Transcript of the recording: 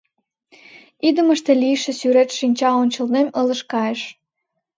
Идымыште лийше сӱрет шинча ончылнем ылыж кайыш.